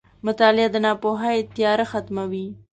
• مطالعه د ناپوهۍ تیاره ختموي.